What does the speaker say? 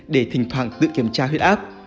để thỉnh thoảng tự kiểm tra huyết áp